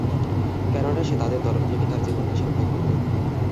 কেননা, সে তাদের তরফ থেকে তার জীবন নাশের ভয় করত।